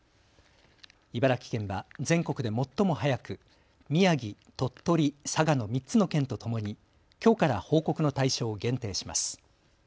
茨城県は全国で最も早く宮城、鳥取、佐賀の３つの県とともにきょうから報告の対象を限定します。